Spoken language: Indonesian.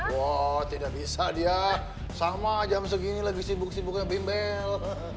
wah tidak bisa dia sama jam segini lagi sibuk sibuknya bimbel